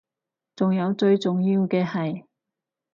仲有最重要嘅係